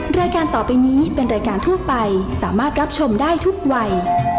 รายการต่อไปนี้เป็นรายการทั่วไปสามารถรับชมได้ทุกวัย